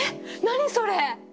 何それ！？